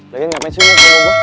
lagi ngapain sih lu sama gue